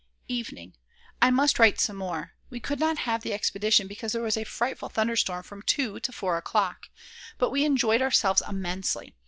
Evening: I must write some more. We could not have the expedition, because there was a frightful thunderstorm from 2 to 4 o'clock. But we enjoyed ourselves immensely.